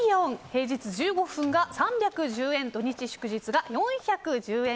平日１５分が３１０円土日祝日が４１０円